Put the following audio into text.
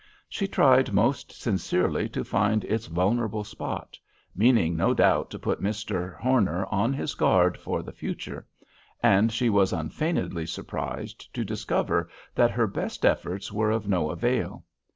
She tried most sincerely to find its vulnerable spot, meaning no doubt to put Mr. Homer on his guard for the future; and she was unfeignedly surprised to discover that her best efforts were of no avail.